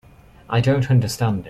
I don't understand it.